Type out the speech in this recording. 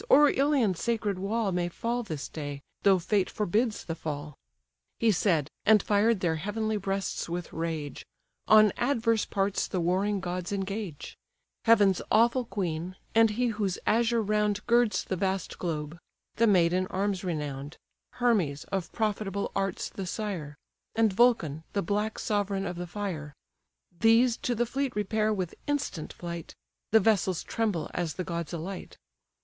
or Ilion's sacred wall May fall this day, though fate forbids the fall." He said, and fired their heavenly breasts with rage. On adverse parts the warring gods engage: Heaven's awful queen; and he whose azure round Girds the vast globe; the maid in arms renown'd; Hermes, of profitable arts the sire; And Vulcan, the black sovereign of the fire: These to the fleet repair with instant flight; The vessels tremble as the gods alight.